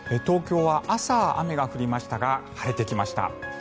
東京は朝、雨が降りましたが晴れてきました。